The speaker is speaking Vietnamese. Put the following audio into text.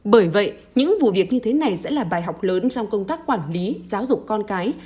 bởi vậy những vụ việc như thế này sẽ là bài học lớn trong công tác quản lý giáo dục con cái